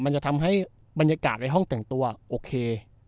มันจะทำให้บรรยากาศในห้องแต่งตัวโอเค